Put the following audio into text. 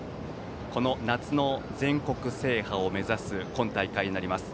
この夏の全国制覇を目指す今大会になります。